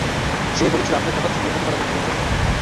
সে বলেছিল, আমি তো জগতসমূহের প্রতিপালকের প্রেরিত।